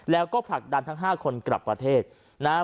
แล้วก็ผลักดันทั้ง๕คนกลับประเทศนะฮะ